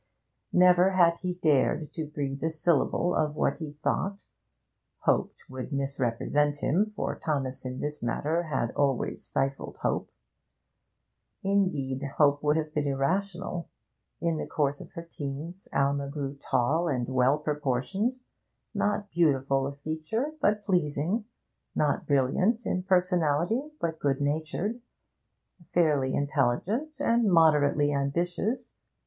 Never had he dared to breathe a syllable of what he thought 'hoped' would misrepresent him, for Thomas in this matter had always stifled hope. Indeed, hope would have been irrational. In the course of her teens Alma grew tall and well proportioned; not beautiful of feature, but pleasing; not brilliant in personality, but good natured; fairly intelligent and moderately ambitious.